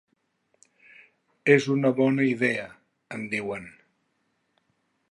És una bona idea, em diuen.